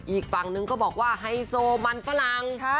อีกฝั่งนึงก็บอกว่าไฮโซมันฝรั่ง